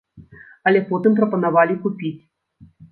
Але потым прапанавалі купіць.